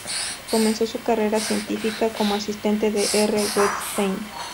Comenzó su carrera científica como Asistente de R. Wettstein.